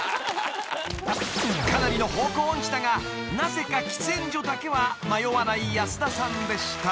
［かなりの方向音痴だがなぜか喫煙所だけは迷わない安田さんでした］